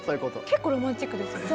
結構ロマンチックですよね。